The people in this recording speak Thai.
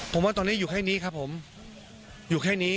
ผมว่าตอนนี้อยู่แค่นี้ครับผมอยู่แค่นี้